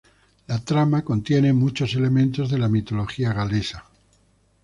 La trama contiene muchos elementos de la mitología galesa.